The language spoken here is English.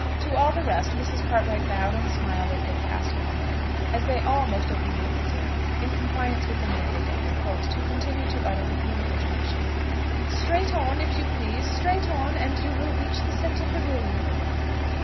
To all the rest Mrs. Cartwright bowed and smiled as they passed onward; as they all most obediently did, in compliance with the mandate of their host, who continued to utter with little intermission, "Straight on if you please straight on, and you will reach the centre pavilion."